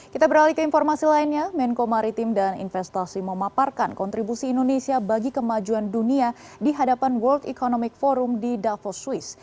kita beralih ke informasi lainnya menko maritim dan investasi memaparkan kontribusi indonesia bagi kemajuan dunia di hadapan world economic forum di davos swiss